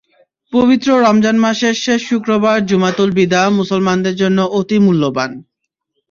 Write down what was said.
পবিত্র রমজান মাসের শেষ শুক্রবার জুমাতুল বিদা মুসলমানদের জন্য অতি মূল্যবান।